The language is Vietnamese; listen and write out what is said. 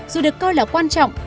dù được coi là quan trọng